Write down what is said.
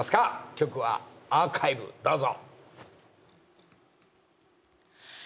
曲は『アーカイブ』どうぞ。